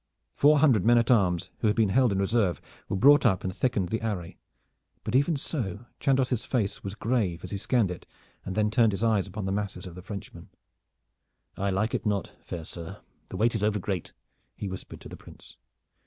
Four hundred men at arms who had been held in reserve were brought up and thickened the array, but even so Chandos' face was grave as he scanned it and then turned his eyes upon the masses of the Frenchmen. "I like it not, fair sir. The weight is overgreat," he whispered to the Prince.